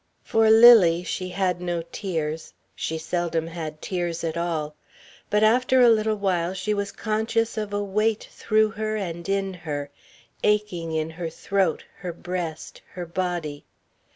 For Lily she had no tears she seldom had tears at all. But after a little while she was conscious of a weight through her and in her, aching in her throat, her breast, her body.